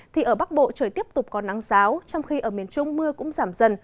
thì ở bắc bộ trời tiếp tục có nắng giáo trong khi ở miền trung mưa cũng giảm dần